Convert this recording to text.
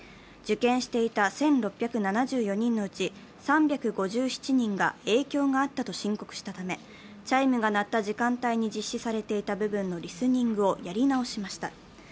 受験していた１６７４人のうち、３５７人が影響があったと申告したため、チャイムが鳴った時間帯に実施されていた部分のリスニングをやり直しました。